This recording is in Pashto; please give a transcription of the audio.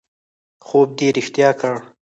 خوب دې رښتیا کړ